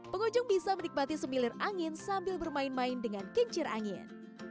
pengunjung bisa menikmati semilir angin sambil bermain main dengan kincir angin